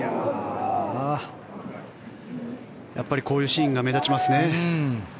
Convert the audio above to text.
やっぱりこういうシーンが目立ちますね。